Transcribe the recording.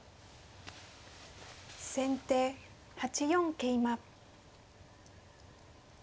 先手８四桂馬。